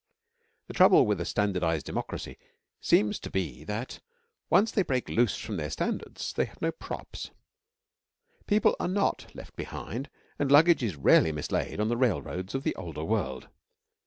The trouble with a standardised democracy seems to be that, once they break loose from their standards, they have no props. People are not left behind and luggage is rarely mislaid on the railroads of the older world.